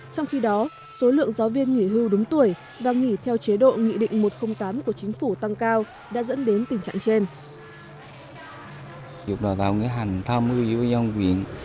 trong khi đó số lượng giáo viên nghỉ hưu đúng tuổi và nghỉ theo chế độ nghị định một trăm linh tám của chính phủ tăng cao đã dẫn đến tình trạng trên